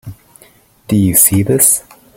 Do you see this?